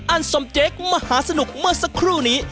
สมเจ๊กมหาสนุกเมื่อสักครู่นี้